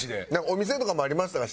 お店とかもありましたか？